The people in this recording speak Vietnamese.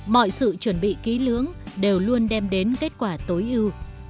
mọi sự chuẩn bị ký lưỡng đều luôn đem đến kết quả tối ưu